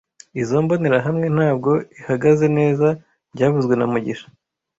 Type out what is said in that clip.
Izoi mbonerahamwe ntabwo ihagaze neza byavuzwe na mugisha